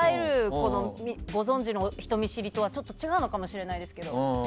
ご存じの人見知りとはちょっと違うかもしれないんですけど。